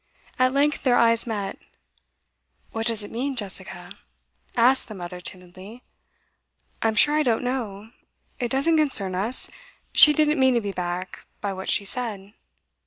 At length their eyes met. 'What does it mean, Jessica?' asked the mother timidly. 'I'm sure I don't know. It doesn't concern us. She didn't mean to be back, by what she said.